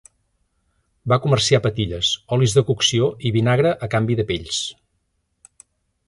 Va comerciar patilles, olis de cocció i vinagre a canvi de pells.